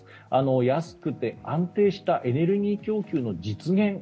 安くて安定したエネルギー供給の実現